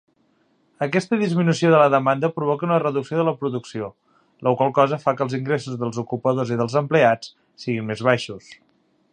Aquesta disminució de la demanda provoca una reducció de la producció, la qual cosa fa que els ingressos dels ocupadors i els empleats siguin més baixos.